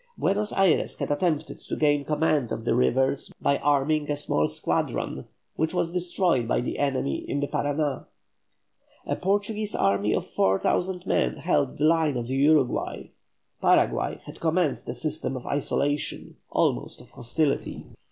Buenos Ayres had attempted to gain command of the rivers by arming a small squadron, which was destroyed by the enemy in the Paraná. A Portuguese army of four thousand men held the line of the Uruguay. Paraguay had commenced a system of isolation, almost of hostility.